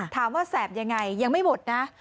ถามว่าแสบอย่างไรยังไม่หมดนะ